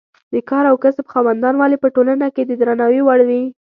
د کار او کسب خاوندان ولې په ټولنه کې د درناوي وړ وي.